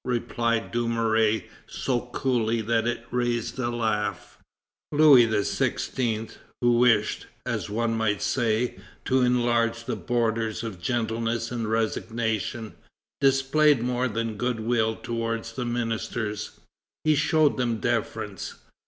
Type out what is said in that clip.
replied Dumouriez so coolly that it raised a laugh. Louis XVI., who wished, as one might say, to enlarge the borders of gentleness and resignation, displayed more than good will towards the ministers; he showed them deference.